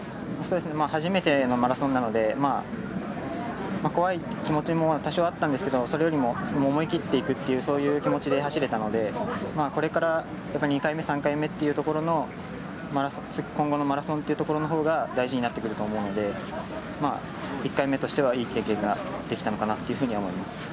初めてのマラソンなので怖い気持ちも多少あったんですがそれよりも思い切っていくっていう気持ちで走れたのでこれから、２回目３回目っていうところの今後のマラソンっていうところのほうが大事になってくると思うので１回目としてはいい経験ができたのかなと思います。